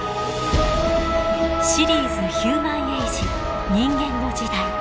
シリーズ「ヒューマンエイジ人間の時代」。